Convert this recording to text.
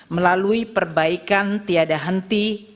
melalui perbaikan tiada henti